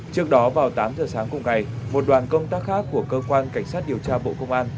trước đó vào tám giờ sáng cùng ngày một đoàn công tác khác của cơ quan cảnh sát điều tra bộ công an